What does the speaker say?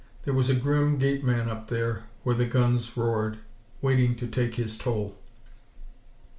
There was a grim gateman up there where the guns roared, waiting to take his toll.